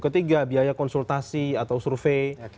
ketiga biaya konsultasi atau survei